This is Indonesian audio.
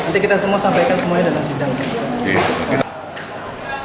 nanti kita semua sampaikan semuanya dalam sidang